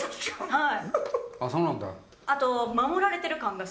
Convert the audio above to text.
はい。